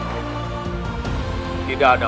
selamat tinggal kak